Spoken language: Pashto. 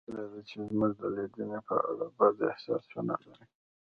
هیله ده چې زموږ د لیدنې په اړه بد احساس ونلرئ